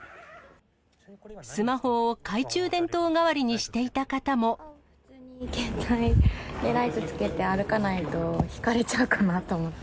スマホを懐中電灯代わりにしてい携帯でライトつけて歩かないとひかれちゃうかなと思って。